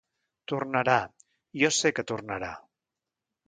Tornarà, jo sé que tornarà.